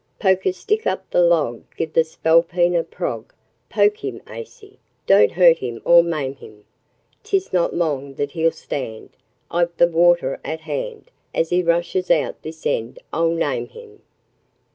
'Poke a stick up the log, give the spalpeen a prog; Poke him aisy don't hurt him or maim him, 'Tis not long that he'll stand, I've the water at hand, As he rushes out this end I'll name him.